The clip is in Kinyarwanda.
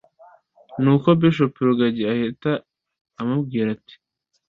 nuko Bishop Rugagi ahita amubwira ati